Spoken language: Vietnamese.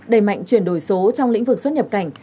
đẩy mạnh chuyển đổi số trong lĩnh vực xuất nhập cảnh